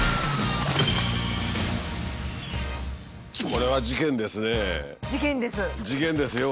これは事件ですね。